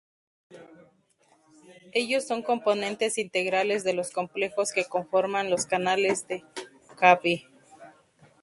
Ellos son componentes integrales de los complejos que conforman los canales de Kv.